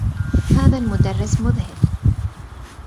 هذا المدرّس مذهل.